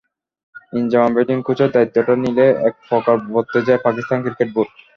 Inzamam batting কোচের দায়িত্বটা নিলে একপ্রকার বর্তেই যায় পাকিস্তান ক্রিকেট বোর্ড।